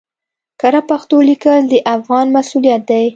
کره پښتو ليکل د افغان مسؤليت دی